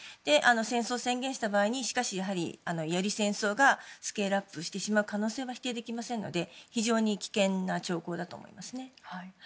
戦争を宣言した場合により戦争がスケールアップしてしまう可能性は否定できませんので非常に危険な兆候だと思いますね。